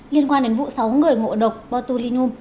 liên quan đến vụ sáu người ngộ độc bò tu linh hùm